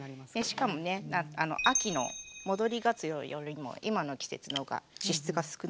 しかもね秋の戻りがつおよりも今の季節の方が脂質が少ないんですよ。